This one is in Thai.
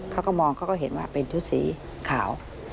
เขาก็มองเขาก็เห็นว่าเป็นชุดสีขาว